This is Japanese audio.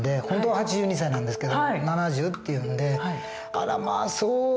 本当は８２歳なんですけど７０って言うんで「あらまあそう。